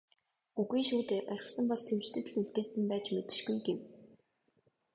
"Үгүй шүү дээ, орхисон бол Сэвжидэд л үлдээсэн байж мэдэшгүй" гэв.